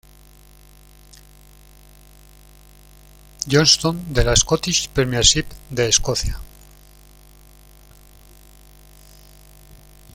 Johnstone de la Scottish Premiership de Escocia.